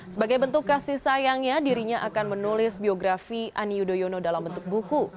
sebagai bentuk kasih sayangnya dirinya akan menulis biografi ani yudhoyono dalam bentuk buku